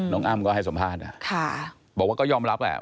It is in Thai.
อ้ำก็ให้สัมภาษณ์บอกว่าก็ยอมรับแหละ